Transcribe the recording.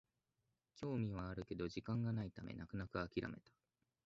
興味はあるけど時間がないため泣く泣くあきらめた